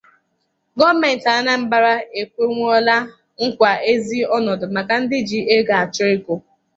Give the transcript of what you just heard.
Gọọmenti Anambra Ekwenwòóla Nkwà Ezi Ọnọdụ Maka Ndị Ji Ego Achụ Ego